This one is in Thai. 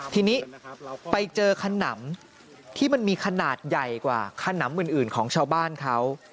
ทีนี้ไปเจอขนำที่มันมีขนาดใหญ่กว่าขนำอื่นของชาวบ้านเขา